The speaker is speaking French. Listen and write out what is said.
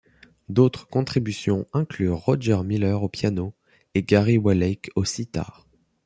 D'autres contributions inclurent Roger Miller au piano et Gary Waleik au sitar.